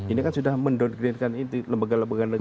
ini kan sudah mendowngrade kan lembaga lembaga negara